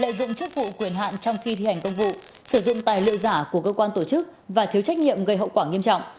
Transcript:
lợi dụng chức vụ quyền hạn trong khi thi hành công vụ sử dụng tài liệu giả của cơ quan tổ chức và thiếu trách nhiệm gây hậu quả nghiêm trọng